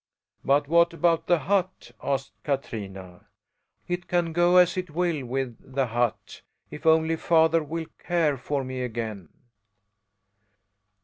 "But what about the hut?" asked Katrina. "It can go as it will with the hut, if only father will care for me again."